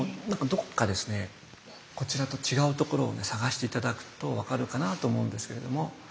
どこかですねこちらと違うところをね探して頂くと分かるかなと思うんですけれども。